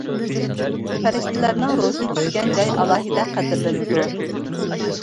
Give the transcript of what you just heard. پەرىشتىلەرنىڭ روھى چۈشكەن جاي ئالاھىدە قەدىرلىنىدۇ.